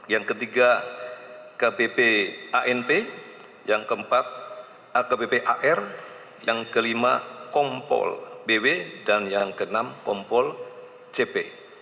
yang ketiga kpp anp yang keempat akbp ar yang kelima kompol bw dan yang keenam kompol cp